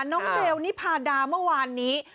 น้องเบลนิพาดาเมื่อวานนี้